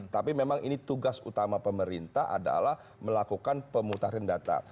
tapi memang ini tugas utama pemerintah adalah melakukan pemutaran data